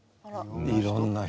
いろんな人？